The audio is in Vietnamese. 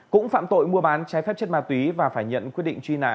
cũng phạm tội mua bán trái phép chất ma túy và phải nhận quyết định truy nã